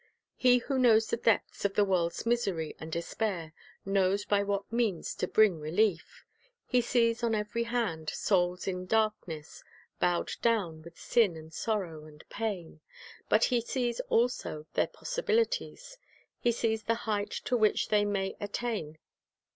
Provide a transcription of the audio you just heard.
He who knows the depths of the world's misery and despair, knows by what means to bring relief. He sees on every hand souls in darkness, bowed down with sin and sorrow and pain. But He sees also their pos sibilities; He sees the height to which they may attain.